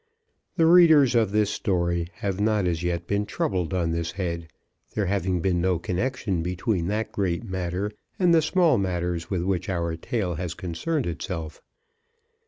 The readers of this story have not as yet been troubled on this head, there having been no connection between that great matter and the small matters with which our tale has concerned itself.